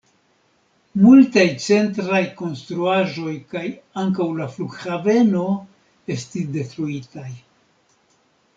Multaj centraj konstruaĵoj kaj ankaŭ la flughaveno estis detruitaj.